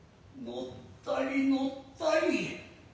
乗つたり乗つたり。